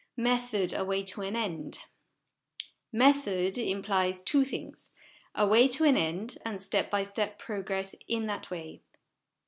Method a Way to an End. Method implies two things a way to an end, and step by step progress in that way.